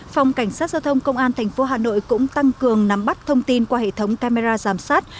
phòng cảnh sát giao thông công an tp hà nội cũng tăng cường nắm bắt thông tin qua hệ thống camera giám sát